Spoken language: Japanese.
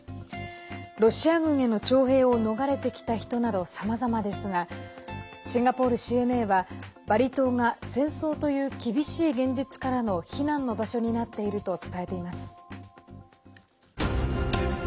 ロシア軍への徴兵を逃れてきた人などさまざまですがシンガポールＣＮＡは、バリ島が戦争という厳しい現実からの避難の場所になっていると伝えています。